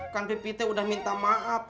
kan pipi teh udah minta maaf